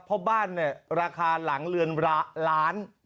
เพราะบ้านเนี่ยราคาหลังเรือนล้าน